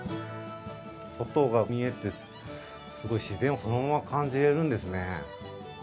外が見えてすごい自然をそのまま感じられるんですね。